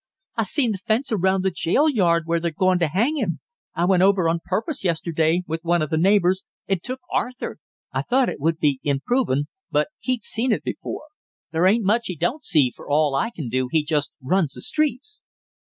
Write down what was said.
"I seen the fence around the jail yard where they're goin' to hang him; I went over on purpose yesterday with one of the neighbors and took Arthur; I thought it would be improvin', but he'd seen it before. There ain't much he don't see for all I can do he just runs the streets."